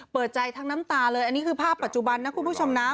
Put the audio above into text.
เปิดใจทั้งน้ำตาเลยอันนี้คือภาพปัจจุบันนะคุณผู้ชมนะ